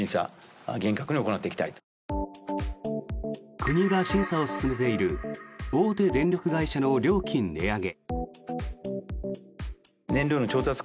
国が審査を進めている大手電力会社の料金値上げ。